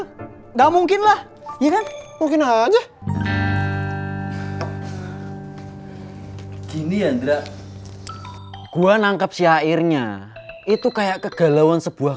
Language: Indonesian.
enggak mungkinlah mungkin aja gini yang gua nangkep si akhirnya itu kayak kegalauan sebuah